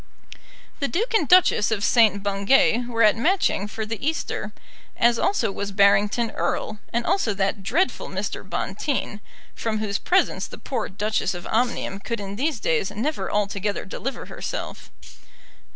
The Duke and Duchess of St. Bungay were at Matching for the Easter, as also was Barrington Erle, and also that dreadful Mr. Bonteen, from whose presence the poor Duchess of Omnium could in these days never altogether deliver herself.